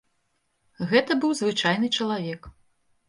Гэта быў звычайны чалавек.